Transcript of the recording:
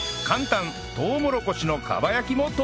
とうもろこしの蒲焼きも登場